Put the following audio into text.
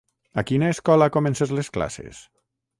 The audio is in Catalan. A quina escola comences les classes?